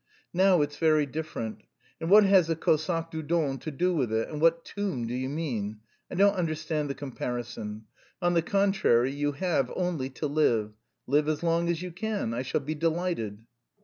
Now it's very different. And what has the Cosaque du Don to do with it, and what tomb do you mean? I don't understand the comparison. On the contrary, you have only to live. Live as long as you can. I shall be delighted."